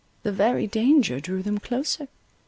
The very danger drew them closer.